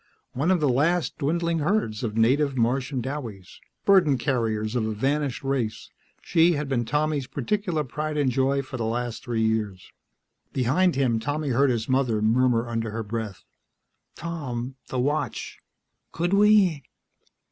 One of the last dwindling herds of native Martian douwies, burden carriers of a vanished race, she had been Tommy's particular pride and joy for the last three years. Behind him, Tommy heard his mother murmur under her breath, "Tom ... the watch; could we?"